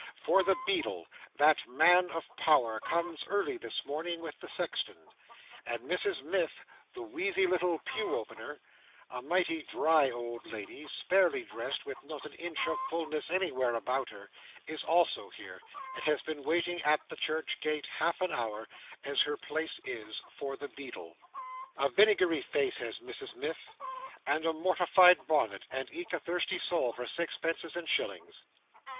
For the beadle, that man of power, comes early this morning with the sexton; and Mrs Miff, the wheezy little pew opener—a mighty dry old lady, sparely dressed, with not an inch of fulness anywhere about her—is also here, and has been waiting at the church gate half an hour, as her place is, for the beadle. A vinegary face has Mrs Miff, and a mortified bonnet, and eke a thirsty soul for sixpences and shillings.